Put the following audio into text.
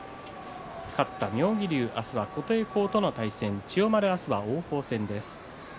勝った妙義龍は明日は琴恵光との対戦、千代丸明日は王鵬戦です。